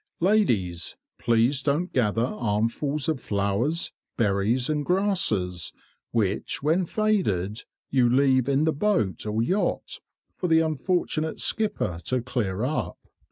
Ladies, please don't gather armfuls of flowers, berries, and grasses which, when faded, you leave in the boat or yacht for the unfortunate skipper to clear up.